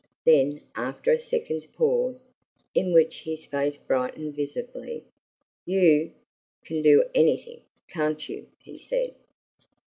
Then, after a second's pause, in which his face brightened visibly, "YOU can do anything, can't you?" he said.